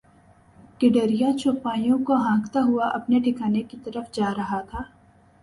گڈریا چوپایوں کو ہانکتا ہوا اپنے ٹھکانے کی طرف جا رہا تھا